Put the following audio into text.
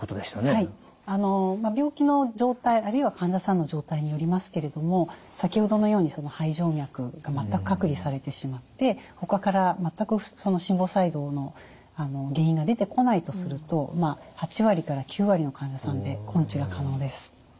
はい病気の状態あるいは患者さんの状態によりますけれども先ほどのように肺静脈が全く隔離されてしまってほかから全くその心房細動の原因が出てこないとすると８割から９割の患者さんで根治が可能です。